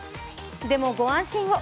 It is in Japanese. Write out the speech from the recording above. でもご安心を。